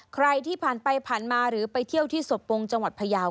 ใครที่ผ่านไปผ่านมาหรือไปเที่ยวที่สบปงจังหวัดพยาว